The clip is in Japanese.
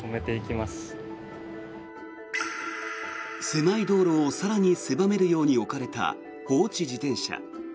狭い道路を更に狭めるように置かれた放置自転車。